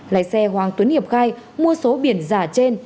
lái xe hoàng tuấn hiệp khai mua số biển giả trên